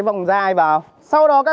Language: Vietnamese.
xuống đến nơi